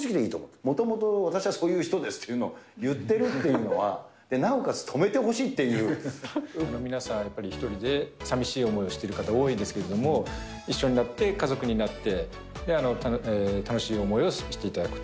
もともと私はそういう人ですっていうのを言ってるっていうのは、なおかつ皆さん、やっぱり１人でさみしい思いをされてる方多いんですけれども、一緒になって、家族になって、楽しい思いをしていただくと。